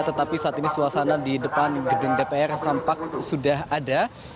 tetapi saat ini suasana di depan gedung dpr sampai sudah ada